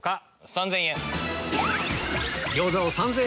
３０００円。